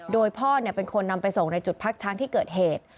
โดยพ่อเป็นคนนำไปส่งในจุดพักช้างที่เกิดเหตุ